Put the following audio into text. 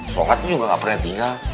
sokotnya juga gak pernah tinggal